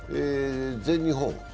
全日本。